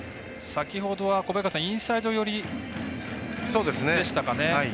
先ほどはインサイド寄りでしたか。